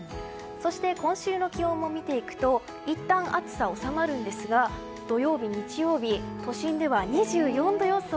そして今週の気温も見ていくといったん暑さは収まるんですが土曜日、日曜日都心では２４度予想。